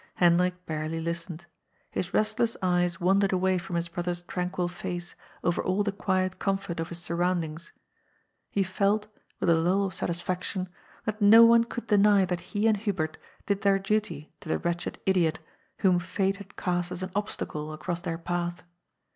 Hendrik barely listened. His rest less eyes wandered away from his brother's tranquil face over fdl the quiet comfort of his surroundings. He felt — with a lull of satisfaction — that no one could deny that he and Hubert did their duty to the wretched idiot whom fate had cast as an obstacle across their path.